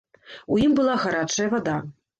У ім была гарачая вада.